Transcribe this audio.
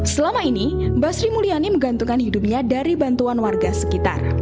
selama ini mbak sri mulyani menggantungkan hidupnya dari bantuan warga sekitar